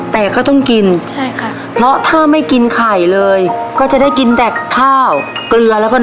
แต่ก็ต้องทนกินเงินน้อยเหลือเกิน